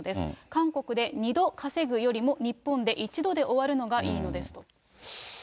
韓国で二度稼ぐよりも、日本で一度で終わるのがいいのですと。